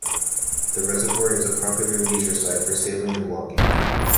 The reservoir is a popular leisure site for sailing and walking.